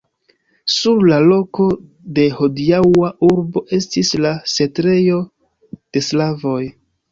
Sur la loko de hodiaŭa urbo estis la setlejo de slavoj.